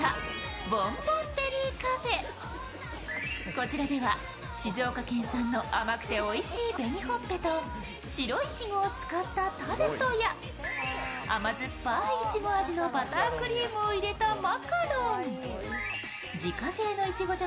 こちらでは静岡県産の甘くておいしい紅ほっぺと白いちごを使ったタルトや甘酸っぱいいちご味のバタークリームを入れたマカロン。